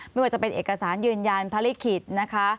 ไม่ว่าจะเป็นเอกสารยืนยันภารกิจนะคะ